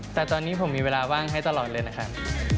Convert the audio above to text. แต่ตอนนี้ผมมีเวลาว่างให้ตลอดเลยนะครับ